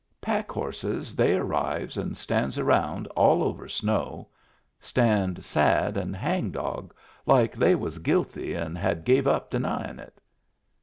Packhorses they arrives and stands around all over snow — stand sad and hang dog, like they was guilty and had gave up denyin' it.